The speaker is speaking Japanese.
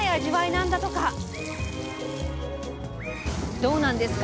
どうなんですか？